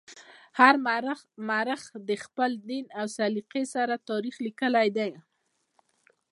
هر مورخ د خپل دین او سلیقې سره تاریخ لیکلی دی.